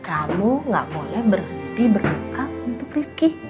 kamu gak boleh berhenti berbuka untuk rifki